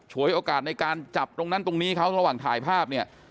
โอกาสในการจับตรงนั้นตรงนี้เขาระหว่างถ่ายภาพเนี่ย